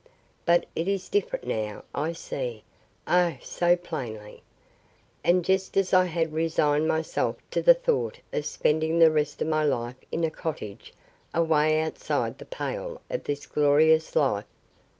But it is different now. I see, oh, so plainly. And just as I had resigned myself to the thought of spending the rest of my life in a cottage, away outside the pale of this glorious life!